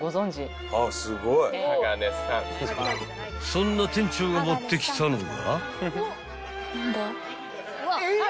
［そんな店長が持ってきたのが］